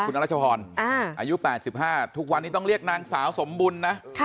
คุณอรัชพรอายุ๘๕ทุกวันนี้ต้องเรียกนางสาวสมบุญนะ